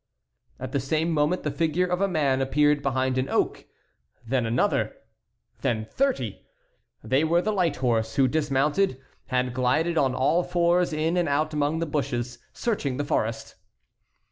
At the same moment the figure of a man appeared behind an oak, then another, then thirty. They were the light horse, who, dismounted, had glided on all fours in and out among the bushes, searching the forest.